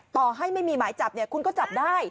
ต่อให้ไม่มีหมายจับเนี่ยคุณก็จับได้